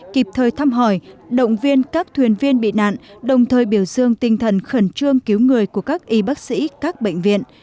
kịp thời thăm hỏi động viên các thuyền viên bị nạn đồng thời biểu dương tinh thần khẩn trương cứu người của các y bác sĩ các bệnh viện